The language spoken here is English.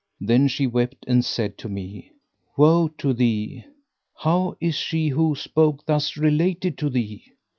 Then she wept and said to me, "Woe to thee! How is she who spoke thus related to thee?"